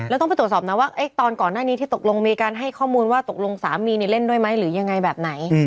แล้วต้องไปตรวจสอบนะว่าตอนก่อนหน้านี้ที่ตกลงมีการให้ข้อมูลว่าตกลงสามีเล่นด้วยไหมหรือยังไงแบบไหน